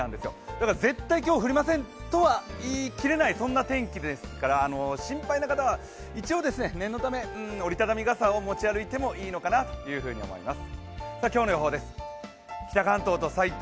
だから絶対今日降りませんとは言い切れない、そんな天気ですから心配な方は一応、念のため折り畳み傘を持ち歩いてもいいのかなと思います。